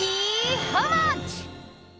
ハウマッチ。